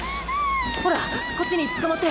ほらこっちにつかまって。